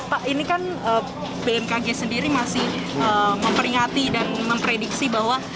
pak ini kan bmkg sendiri masih memperingati dan memprediksi bahwa